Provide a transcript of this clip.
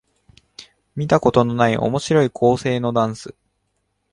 見たことない面白い構成のダンス